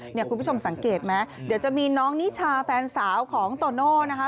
คุณผู้ชมสังเกตไหมเดี๋ยวจะมีน้องนิชาแฟนสาวของโตโน่นะคะ